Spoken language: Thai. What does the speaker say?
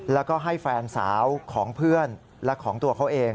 แล้วก็ให้แฟนสาวของเพื่อนและของตัวเขาเอง